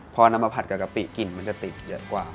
พอนำมาผัดกับกะปิกลิ่นมันจะติดเยอะกว่า